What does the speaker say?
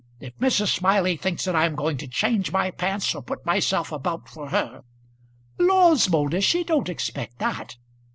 If Mrs. Smiley thinks that I'm going to change my pants, or put myself about for her " "Laws, Moulder, she don't expect that."